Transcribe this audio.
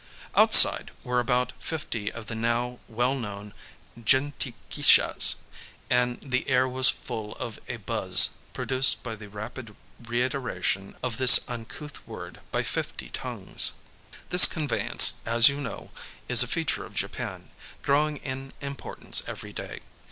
Outside were about fifty of the now well known jin ti ki shas, and the air was full of a buzz produced by the rapid reiteration of this uncouth word by fifty tongues. This conveyance, as you know, is a feature of Japan, growing in importance every day.